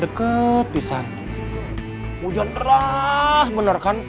udah sekitar exactly